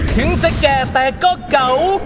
ถึงจะแก่แต่ก็เก่า